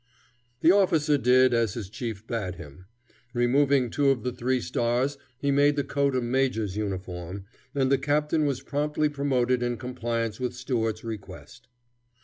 The officer did as his chief bade him. Removing two of the three stars he made the coat a major's uniform, and the captain was promptly promoted in compliance with Stuart's request.